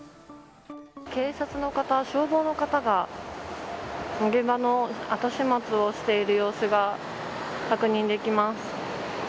警察の方、消防の方が現場の後始末をしている様子が確認できます。